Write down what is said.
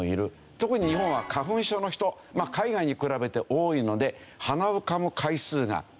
特に日本は花粉症の人海外に比べて多いので鼻をかむ回数が多い。